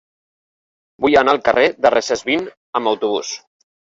Vull anar al carrer de Recesvint amb autobús.